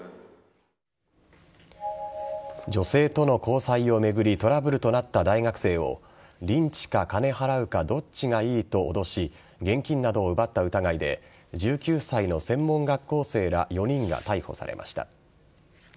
女性との交際を巡りトラブルとなった大学生をリンチか金払うかどっちがいいと脅し現金などを奪った疑いで１９歳の専門学校生ら４人が逮捕されました。